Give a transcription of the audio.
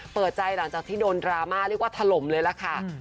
เปิดใจหลังจากที่โดนดราม่าเรียกว่าถล่มเลยล่ะค่ะ